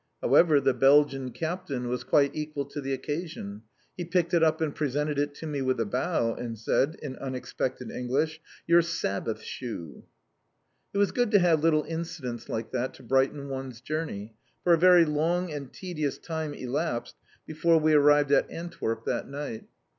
However, the Belgian Captain was quite equal to the occasion. He picked it up, and presented it to me with a bow, and said, in unexpected English, "Yourra Sabbath shoe!" It was good to have little incidents like that to brighten one's journey, for a very long and tedious time elapsed before we arrived at Antwerp that night.